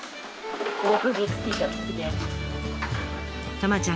たまちゃん